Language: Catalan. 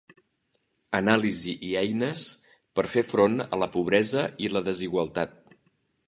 Anàlisi i eines per fer front a la pobresa i la desigualtat.